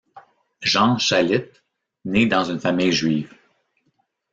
Jean Schalit, né dans une famille juive.